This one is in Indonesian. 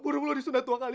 nah kalau dia keluar